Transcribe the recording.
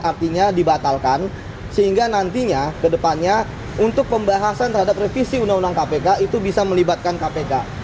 artinya dibatalkan sehingga nantinya ke depannya untuk pembahasan terhadap revisi undang undang kpk itu bisa melibatkan kpk